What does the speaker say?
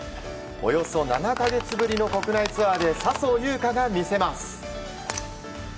およそ７か月ぶりの国内ツアーで笹生優花が見せます。